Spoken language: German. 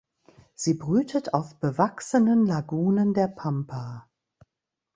Sie brütet auf bewachsenen Lagunen der Pampa.